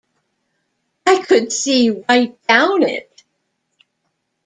I could see right down it.